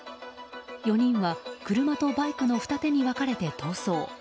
４人は車とバイクの二手に分かれて逃走。